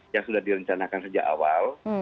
yang sudah direncanakan sejak awal